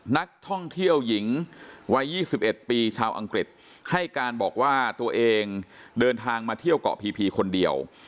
นักท่องเที่ยวหญิงวัย๒๑ปีชาวอังกฤษให้การบอกว่าตัวเองเดินทางมาเที่ยวเกาะพีคนเดียว